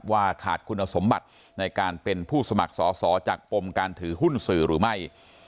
ว่าขาดคุณสมบัติในการเป็นผู้สมัครสอสอจากปมการถือหุ้นสื่อหรือไม่